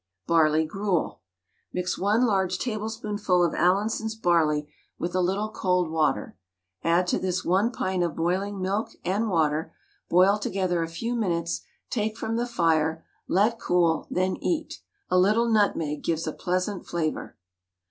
BARLEY GRUEL. Mix 1 large tablespoonful of Allinson's barley with a little cold water, add to this 1 pint of boiling milk and water, boil together a few minutes, take from the fire, let cool, then eat. A little nutmeg gives a pleasant flavour.